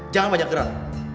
jangan banyak gerak